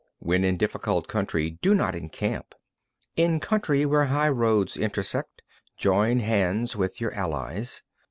2. When in difficult country, do not encamp. In country where high roads intersect, join hands with your allies.